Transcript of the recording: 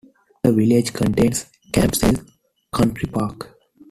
The village contains Campsall Country Park.